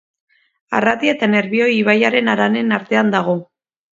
Arratia eta Nerbioi ibaien haranen artean dago.